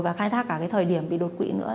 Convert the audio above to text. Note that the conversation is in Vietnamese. và khai thác cả cái thời điểm bị đột quỵ nữa